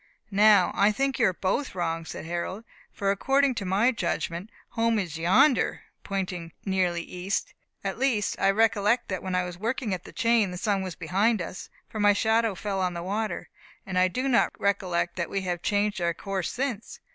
"Now, I think you are both wrong," said Harold, "for according to my judgment home is yonder," pointing nearly east. "At least, I recollect that when I was working at the chain the sun was behind us, for my shadow fell in the water, and I do not recollect that we have changed our course since.